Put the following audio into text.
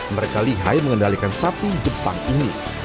mereka lihai mengendalikan sapi jepang ini